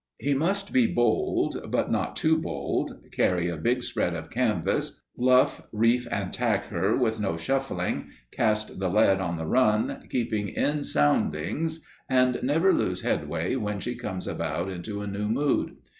He must be bold, but not too bold, carry a big spread of canvas, luff, reef and tack her with no shuffling, cast the lead on the run, keeping in soundings, and never lose headway when she comes about into a new mood.